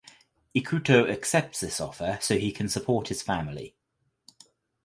Ikuto accepts this offer so he can support his family.